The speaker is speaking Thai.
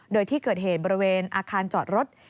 โดยที่เกิดเหตุบริเวณอาคารจอดรถ